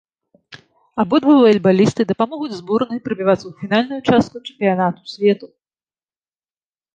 Абодва валейбалісты дапамогуць зборнай прабівацца ў фінальную частку чэмпіянату свету.